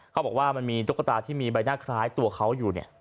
เขาบอกว่ามันมีตุ๊กตาที่มีใบหน้าคล้ายตัวเขาอยู่เนี่ย